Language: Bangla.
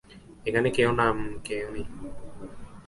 এখানে এই নামে কেউ নেই।